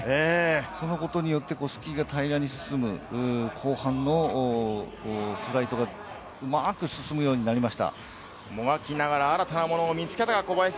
そのことによってスキーが平らに進む、後半のフライトが合って進むようになりました。